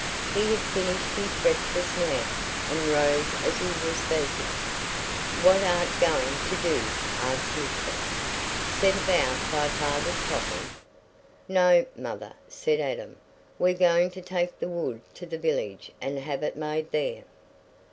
He had finished his breakfast now, and rose as he was speaking. "What art goin' to do?" asked Lisbeth. "Set about thy feyther's coffin?" "No, mother," said Adam; "we're going to take the wood to the village and have it made there."